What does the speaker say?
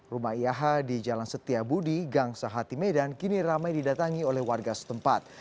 rumah iha di jalan setiabudi gang sahati medan kini ramai didatangi oleh warga setempat